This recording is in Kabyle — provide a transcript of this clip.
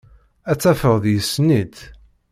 Ad tafeḍ yessen-itt.